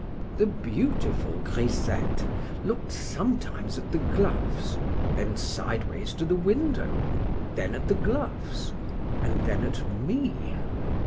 The beautiful grisette looked sometimes at the gloves, then sideways to the window, then at the gloves,—and then at me.